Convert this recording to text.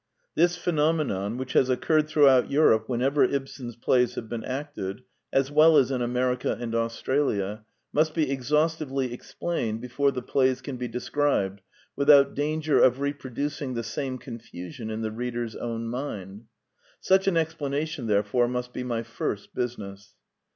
This phenomenon, which has occurred through out Europe whenever Ibsen's plays have been acted, as well as in America and Australia, must be exhaustively explained before the plays can be described without danger of reproducing the same confusion in the reader's own mind. Such an explanation, therefore, must be my first business.